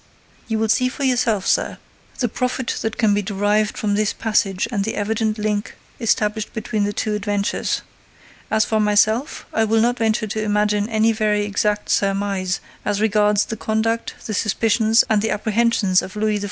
You will see for yourself, Sir, the profit that can be derived from this passage and the evident link established between the two adventures. As for myself, I will not venture to imagine any very exact surmise as regards the conduct, the suspicions, and the apprehensions of Louis XIV.